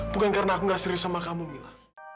bukan karena aku gak serius sama kamu mila